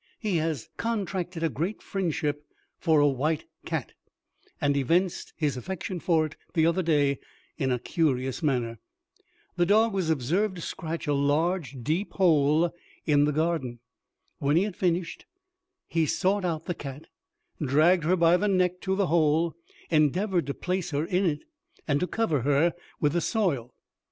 He has contracted a great friendship for a white cat, and evinced his affection for it the other day in a curious manner. The dog was observed to scratch a large deep hole in the garden. When he had finished it he sought out the cat, dragged her by the neck to the hole, endeavoured to place her in it, and to cover her with the soil.